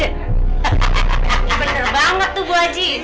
ini bener banget tuh bu aji